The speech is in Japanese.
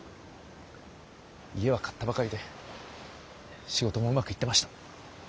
家は買ったばかりで仕事もうまくいってました。